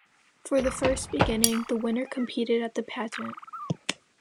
For the first beginning, the winner competed at the pageant.